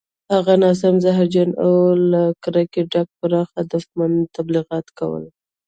هغه ناسم، زهرجن او له کرکې ډک پراخ هدفمند تبلیغات کول